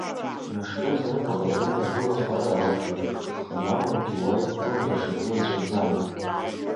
Мышкы зны баҟа дук ргылахар алшоит, аха иамургьы уа иқәгылоу даҽакы еицәаӡам.